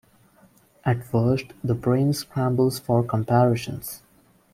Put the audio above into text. At worst, the brain scrabbles for comparisons.